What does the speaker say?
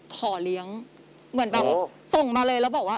ขอเลี้ยงเหมือนแบบส่งมาเลยแล้วบอกว่า